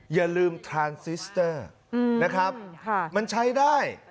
อย่าลืมทานซิสเตอร์นะครับมันใช้ได้